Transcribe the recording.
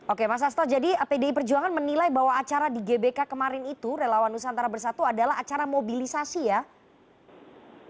oke mas asto jadi pdi perjuangan menilai bahwa acara di gbk kemarin itu relawan nusantara bersatu adalah acara mobilisasi ya